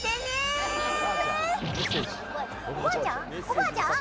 おばあちゃん？